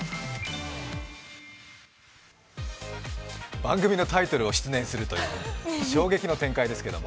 番組のタイトルを失念するという衝撃の展開でしたけども。